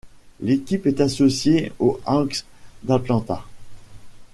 L'équipe est associée aux Hawks d'Atlanta.